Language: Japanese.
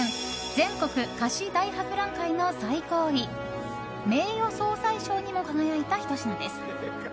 全国菓子大博覧会の最高位名誉総裁賞にも輝いたひと品です。